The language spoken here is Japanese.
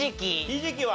ひじきは？